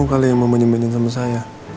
kamu kali yang mau manja manja sama saya